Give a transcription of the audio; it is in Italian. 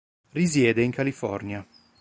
Risiede in California.